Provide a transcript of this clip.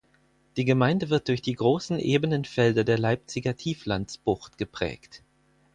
Die Gemeinde wird durch die großen, ebenen Felder der Leipziger Tieflandsbucht geprägt.